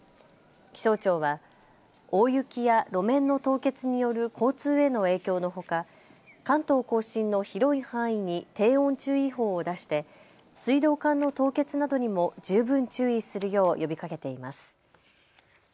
気象庁は大雪や路面の凍結による交通への影響のほか関東甲信の広い範囲に低温注意報を出して水道管の凍結などにも十分注意するよう呼びかけています。